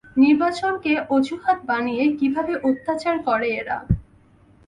নির্বাচনকে অযুহাত বানিয়ে কীভাবে অত্যাচার করে এরা?